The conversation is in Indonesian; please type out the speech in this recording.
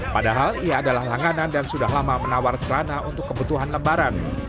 padahal ia adalah langganan dan sudah lama menawar celana untuk kebutuhan lembaran